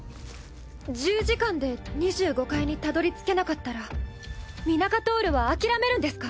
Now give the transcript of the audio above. １０時間で２５階にたどりつけなかったらミナカトールは諦めるんですか？